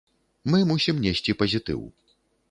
Мы мусім несці пазітыў.